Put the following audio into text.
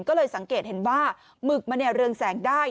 ก็เลยสังเกตเห็นว่าหมึกมันเรืองแสงได้